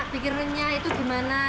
bikin renyah itu gimana